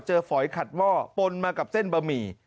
เจอฝอยขัดว่อปนมากับเส้นบะหมี่